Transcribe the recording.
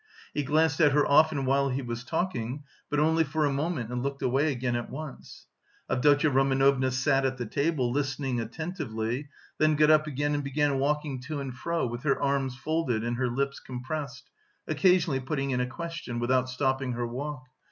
He glanced at her often while he was talking, but only for a moment and looked away again at once. Avdotya Romanovna sat at the table, listening attentively, then got up again and began walking to and fro with her arms folded and her lips compressed, occasionally putting in a question, without stopping her walk.